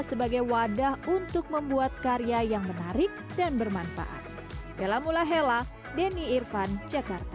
sebagai wadah untuk membuat karya yang menarik dan bermanfaat bella mulahela denny irvan jakarta